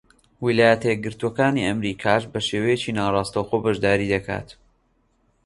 ویلایەتە یەکگرتووەکانی ئەمریکاش بە شێوەیەکی ناڕاستەوخۆ بەشداری دەکات.